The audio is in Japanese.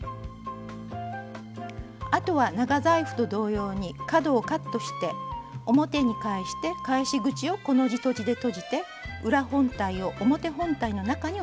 あとは長財布と同様に角をカットして表に返して返し口をコの字とじでとじて裏本体を表本体の中に収めます。